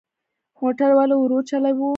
موټر ولې ورو چلوو؟